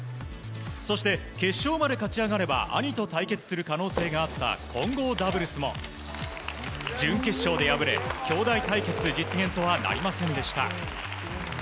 そして、決勝まで勝ち上がれば兄と対決する可能性があった混合ダブルスも準決勝で敗れ兄妹対決実現とはなりませんでした。